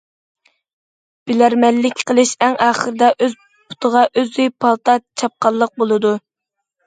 « بىلەرمەنلىك قىلىش» ئەڭ ئاخىرىدا ئۆز پۇتىغا ئۆزى پالتا چاپقانلىق بولىدۇ.